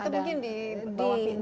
atau mungkin di bawah pintu